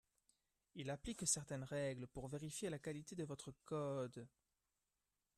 Il applique certaines règles pour vérifier la qualité de votre code